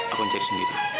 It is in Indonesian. aku cari sendiri